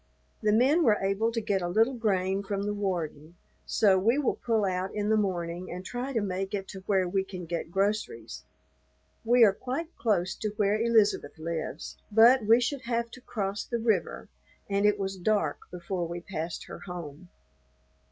The men were able to get a little grain from the warden; so we will pull out in the morning and try to make it to where we can get groceries. We are quite close to where Elizabeth lives, but we should have to cross the river, and it was dark before we passed her home.